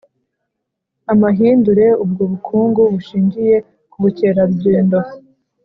amahindure. Ubwo bukungu bushingiye ku bukerarugendo